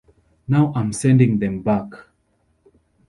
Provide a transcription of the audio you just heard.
Now I'm sending them back.